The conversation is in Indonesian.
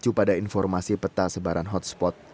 ada juga isu pada informasi peta sebaran hotspot